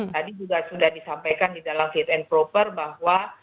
tadi juga sudah disampaikan di dalam fit and proper bahwa